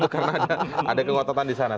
karena ada kewatatan di sana